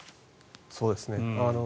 そうですね。